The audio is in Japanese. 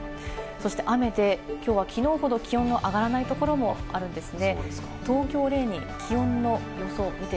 そして雨できょうは昨日ほど気温の上がらないところもあるんですね。